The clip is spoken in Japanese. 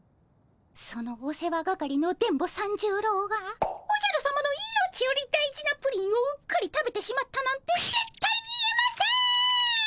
そのお世話係の電ボ三十郎がおじゃるさまの命より大事なプリンをうっかり食べてしまったなんてぜったいに言えません！